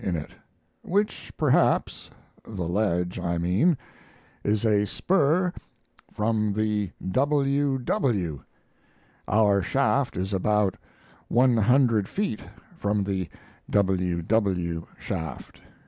in it, which perhaps (the ledge, I mean) is a spur from the W. W. our shaft is about 100 ft. from the W. W. shaft.